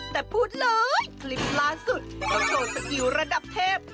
แต่พูดเลยคลิปล่าสุดเขาโชว์สกิลระดับเทพ